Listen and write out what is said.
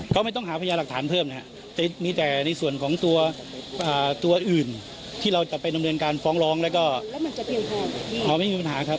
ดีดีในฝากผู้กรณีของของศาลนี่จะมีผลต่อการทำงานของคุณพูดไหมครับ